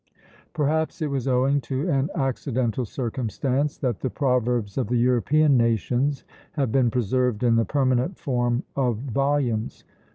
Perhaps it was owing to an accidental circumstance that the proverbs of the European nations have been preserved in the permanent form of volumes.